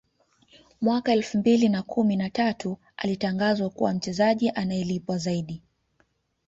Mwaka elfu mbili na kumi na tatu alitangazwa kuwa mchezaji anayelipwa zaidi